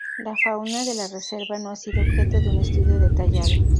La fauna de la reserva no ha sido objeto de un estudio detallado.